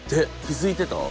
気付いてた？